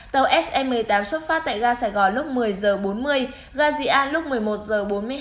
tàu se một mươi tám xuất phát tại gà sài gòn lúc một mươi giờ bốn mươi